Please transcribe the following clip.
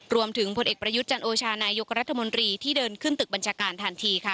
ผลเอกประยุทธ์จันโอชานายกรัฐมนตรีที่เดินขึ้นตึกบัญชาการทันทีค่ะ